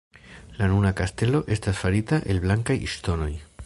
La nuna kastelo estas farita el blankaj ŝtonoj.